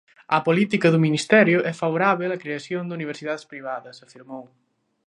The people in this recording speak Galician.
"A política do Ministerio é favorábel á creación de universidades privadas", afirmou.